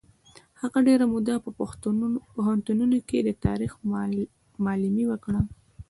هغه ډېره موده په پوهنتونونو کې د تاریخ معلمي وکړه.